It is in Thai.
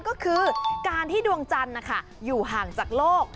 ก็คือการที่ดวงจันทร์อยู่ห่างจากโลก